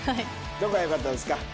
どこが良かったですか？